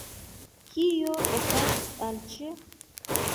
Kio okazis al C!?